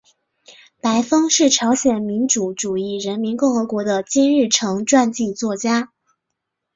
白峰是朝鲜民主主义人民共和国的金日成传记作家。